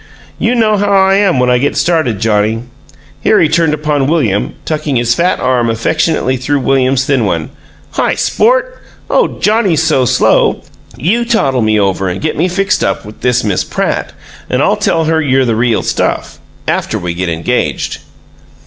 You know how I am when I get started, Johnnie!" Here he turned upon William, tucking his fat arm affectionately through William's thin one. "Hi, sport! Ole Johnnie's so slow, YOU toddle me over and get me fixed up with this Miss Pratt, and I'll tell her you're the real stuff after we get engaged!"